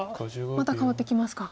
また変わってきますか。